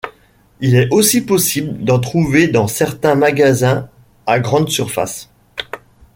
Il est aussi possible d'en trouver dans certains magasins à grande surface.